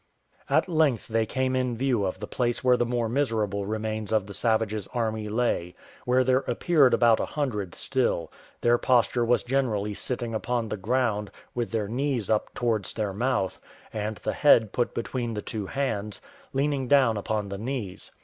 At length they came in view of the place where the more miserable remains of the savages' army lay, where there appeared about a hundred still; their posture was generally sitting upon the ground, with their knees up towards their mouth, and the head put between the two hands, leaning down upon the knees.